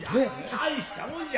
大したもんじゃ。